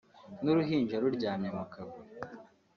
n’uruhinja ruryamye mu kavure